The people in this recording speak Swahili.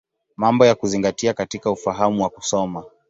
Mambo ya Kuzingatia katika Ufahamu wa Kusoma.